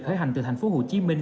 khởi hành từ thành phố hồ chí minh